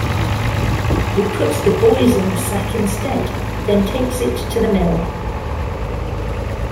He puts the boys in the sack instead, then takes it to the mill.